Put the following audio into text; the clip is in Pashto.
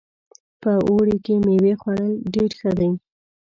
په اوړي کې میوې خوړل ډېر ښه ده